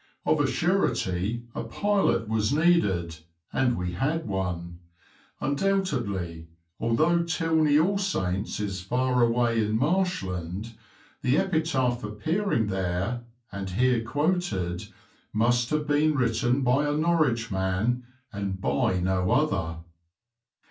Of a surety a pilot was needed, and we had one; undoubtedly, although Tilney All Saints is far away in Marshland, the epitaph appearing there, and here quoted, must have been written by a Norwich man, and by no other.